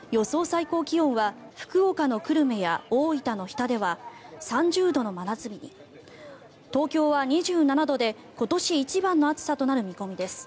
最高気温は福岡の久留米や大分の日田では３０度の真夏日に東京は２７度で今年一番の暑さとなる見込みです。